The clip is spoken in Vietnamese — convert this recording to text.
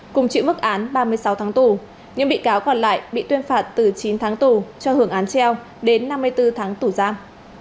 cùng chịu mức án ba mươi sáu tháng tù những bị cáo còn lại bị tuyên phạt từ chín tháng tù cho hưởng án treo đến năm mươi bốn tháng tù giam